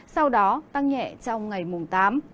sau đó tăng nhẹ trong ngày mùng tám